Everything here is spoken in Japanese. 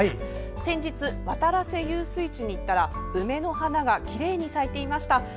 先日、渡良瀬遊水地に行ったら梅の花がきれいに咲いていました。